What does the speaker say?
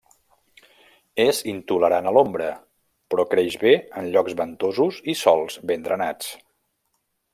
És intolerant a l'ombra però creix bé en llocs ventosos i sòls ben drenats.